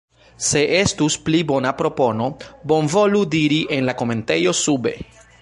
Se estus pli bona propono, bonvolu diri en la komentejo sube.